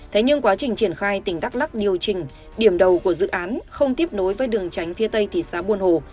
thế nhưng quá trình triển khai tỉnh đắk lắc điều chỉnh điểm đầu của dự án không tiếp nối với đường tránh phía tây thị xã buôn hồ